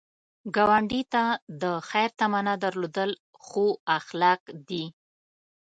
ګاونډي ته د خیر تمنا درلودل ښو اخلاق دي